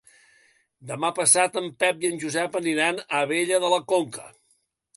Demà passat en Pep i en Josep aniran a Abella de la Conca.